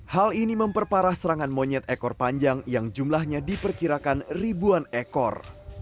hal ini memperparah serangan monyet ekor panjang yang jumlahnya diperkirakan ribuan ekor